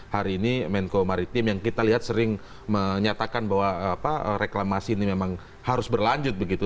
hari ini menko maritim yang kita lihat sering menyatakan bahwa reklamasi ini memang harus berlanjut begitu